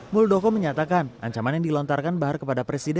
muldoko menyatakan ancaman yang dilontarkan bahar kepada presiden